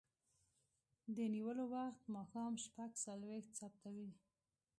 د نیولو وخت ماښام شپږ څلویښت ثبتوي.